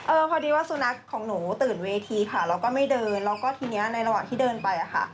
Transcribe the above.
พอดีว่าสุนัขของหนูตื่นเวทีค่ะแล้วก็ไม่เดินแล้วก็ทีนี้ในระหว่างที่เดินไปอ่ะค่ะ